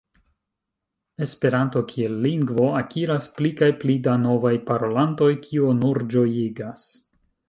Esperanto kiel lingvo akiras pli kaj pli da novaj parolantoj, kio nur ĝojigas.